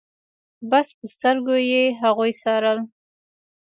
بس په سترګو يې هغوی څارل.